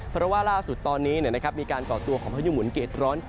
เพราะว่าล่าสุดตอนนี้มีการก่อตัวของพายุหมุนเกรดร้อน